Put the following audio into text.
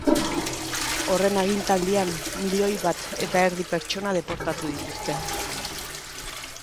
Horren agintaldian, milioi bat eta erdi pertsona deportatu dituzte.